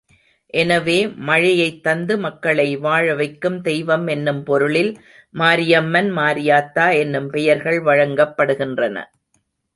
எனவே, மழையைத் தந்து மக்களை வாழ வைக்கும் தெய்வம் என்னும் பொருளில் மாரியம்மன் மாரியாத்தா என்னும் பெயர்கள் வழங்கப்படுகின்றன.